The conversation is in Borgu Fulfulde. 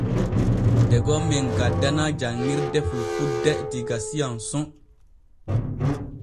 Degon men gaddanaa janŋirde fulfulde diga S'ANSON.